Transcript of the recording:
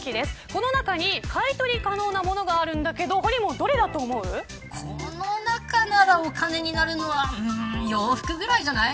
この中に買い取り可能なものがあるんだけどこの中ならお金になるのは洋服ぐらいじゃない。